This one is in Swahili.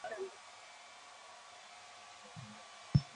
Alifariki tarehe kumi na nne mwezi wa kumi na mbili